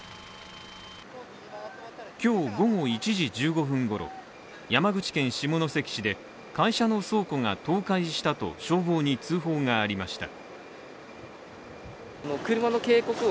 今日午後１時１５分ごろ、山口県下関市で会社の倉庫が倒壊したと消防に通報がありました。